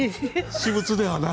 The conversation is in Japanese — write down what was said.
私物ではない？